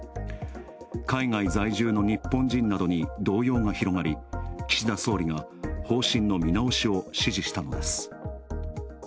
海外在住の日本人などに動揺が広がり、岸田総理が方針の見直しを指示したのです。